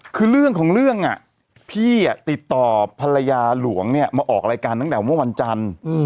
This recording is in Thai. คือเรื่องของเรื่องพี่ติดต่อภรรยาหลวงเนี่ยมาออกรายการตั้งแต่เมื่อวันจันทร์